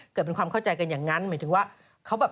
เกิดเป็นความเข้าใจกันอย่างนั้นหมายถึงว่าเขาแบบ